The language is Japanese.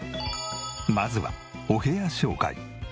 まずはお部屋紹介。